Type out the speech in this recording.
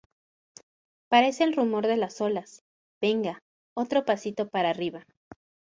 parece el rumor de las olas. venga, otro pasito para arriba.